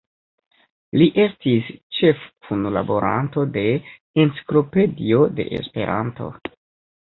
Li estis ĉefkunlaboranto de "Enciklopedio de Esperanto".